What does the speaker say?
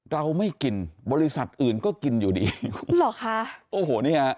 เราไม่กินบริษัทอื่นก็กินอยู่ดีหรอคะโอ้โหเนี่ย